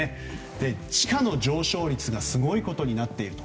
地価の上昇率がすごいことになっていると。